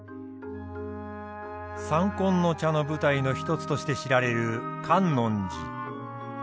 「三献の茶」の舞台の一つとして知られる観音寺。